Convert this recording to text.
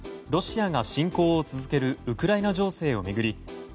ロシアが侵攻を続けるウクライナ情勢を巡り